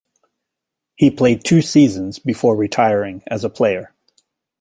He played two seasons before retiring as a player.